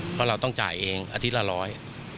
เพราะเราต้องจ่ายเองอาทิตย์ละร้อย